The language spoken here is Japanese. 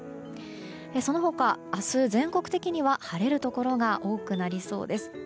その他、明日全国的には晴れるところが多くなりそうです。